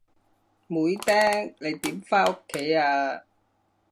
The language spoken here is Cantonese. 妹釘，你點返屋企啊？